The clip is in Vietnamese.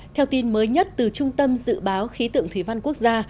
theo tin mới nhất từ trung tâm dự báo khí tượng thủy văn quốc gia